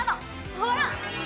ほら！